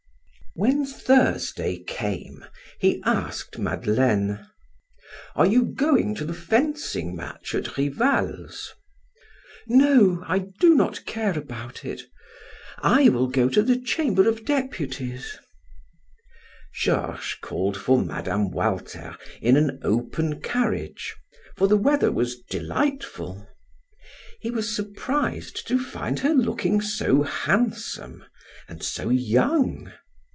When Thursday came, he asked Madeleine: "Are going to the fencing match at Rival's?" "No, I do not care about it. I will go to the chamber of deputies." Georges called for Mme. Walter in an open carriage, for the weather was delightful. He was surprised to find her looking so handsome and so young.